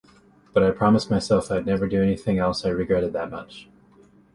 But I promised myself I'd never do anything else I regretted that much.